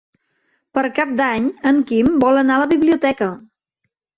Per Cap d'Any en Quim vol anar a la biblioteca.